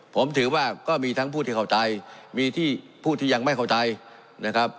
ผมถือว่าก็มีทั้งผู้ที่เข้าใจมีที่ผู้ที่ยังไม่เข้าใจนะครับ